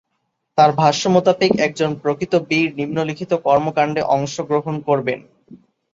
তার ভাষ্য মোতাবেক একজন প্রকৃত বীর নিম্নলিখিত কর্মকাণ্ডে অংশগ্রহণ করবেন:-